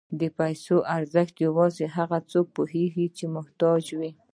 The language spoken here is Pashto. د پیسو ارزښت یوازې هغه څوک پوهېږي چې محتاج وي.